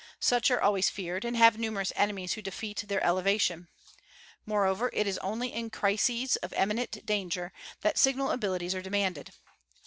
Such are always feared, and have numerous enemies who defeat their elevation. Moreover, it is only in crises of imminent danger that signal abilities are demanded.